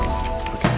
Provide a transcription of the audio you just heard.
terima kasih banyak ya